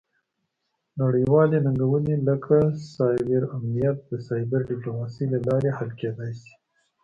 نړیوالې ننګونې لکه سایبر امنیت د سایبر ډیپلوماسي له لارې حل کیدی شي